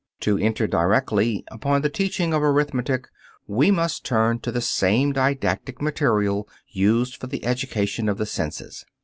To enter directly upon the teaching of arithmetic, we must turn to the same didactic material used for the education of the senses.